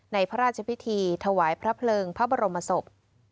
พระราชพิธีถวายพระเพลิงพระบรมศพ